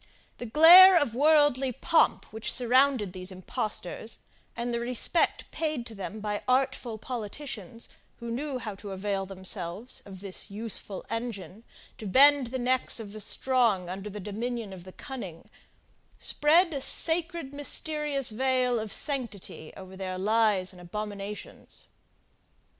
The glare of worldly pomp which surrounded these impostors, and the respect paid to them by artful politicians, who knew how to avail themselves of this useful engine to bend the necks of the strong under the dominion of the cunning, spread a sacred mysterious veil of sanctity over their lies and abominations.